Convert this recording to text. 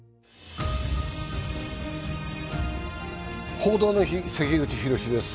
「報道の日」、関口宏です。